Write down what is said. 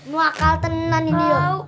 nuh mau akal tenang ini yuk